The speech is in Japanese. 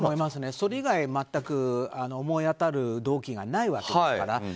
それ以外、全く思い当たる動機がないわけですから。